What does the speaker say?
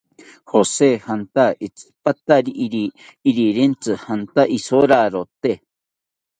Jose jataki itsipatari rirentzi janta isorarote